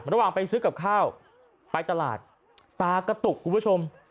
ระหว่างไปซื้อกับข้าวไปตลาดตากระตุกคุณผู้ชม